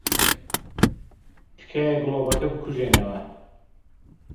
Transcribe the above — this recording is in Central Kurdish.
تکایە گڵۆپەکە بکوژێنەوە.